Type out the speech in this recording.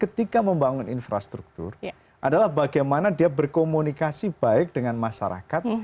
ketika membangun infrastruktur adalah bagaimana dia berkomunikasi baik dengan masyarakat